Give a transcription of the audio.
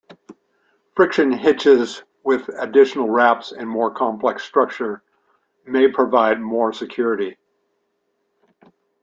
Friction hitches with additional wraps and more complex structure may provide more security.